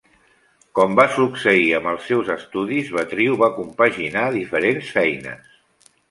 Com va succeir amb els seus estudis Betriu va compaginar diferents feines.